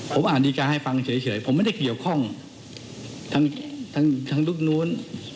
ผมอ่านดีการ์ให้ฟังเฉยผมไม่ได้เกี่ยวข้องทั้งลูกนู้น